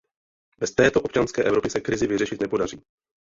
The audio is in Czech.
Bez této občanské Evropy se krizi vyřešit nepodaří.